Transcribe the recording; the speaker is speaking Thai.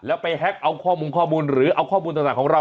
แล้วไปแฮ็กเอาข้อมูลหรือเอาข้อมูลส่วนต่างของเรา